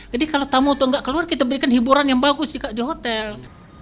jadi kalau tamu itu nggak keluar kita berikan hiburan yang bagus di hotel